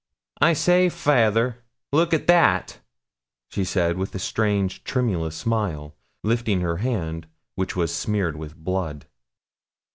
'I say, fayther, look at that,' she said, with a strange tremulous smile, lifting her hand, which was smeared with blood.